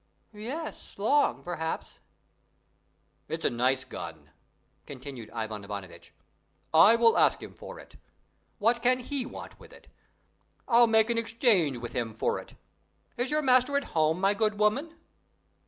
"Yes; long, perhaps." "It's a nice gun!" continued Ivan Ivanovitch. "I will ask him for it. What can he want with it? I'll make an exchange with him for it. Is your master at home, my good woman?"